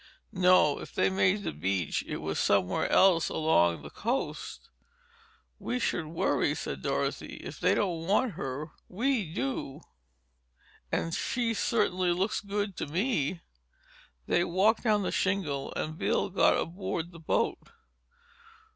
"No. If they made the beach, it was somewhere else along the coast." "We should worry," said Dorothy. "If they don't want her, we do—and she certainly looks good to me." They walked down the shingle and Bill got aboard the boat.